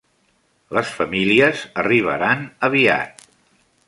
Les famílies arribaran aviat.